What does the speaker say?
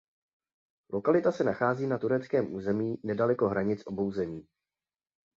Lokalita se nachází na tureckém území nedaleko hranic obou zemí.